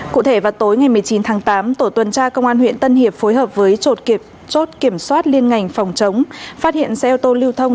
cụ thể vào tối một mươi chín tháng tám tổ tuần tra công an huyện tân hiệp phối hợp với trột kiểm soát liên ngành phòng chống